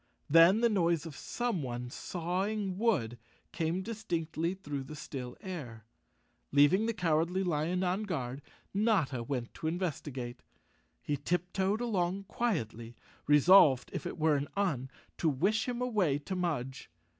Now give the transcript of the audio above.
Then the noise of someone sawing wood came distinctly through the still air. Leaving the Cowardly Lion on guard, Notta Went to investigate. He tiptoed along quietly, resolved if it were an Un to wish him away to Mudge.